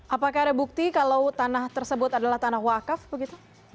apakah ada bukti kalau tanah tersebut adalah tanah wakaf begitu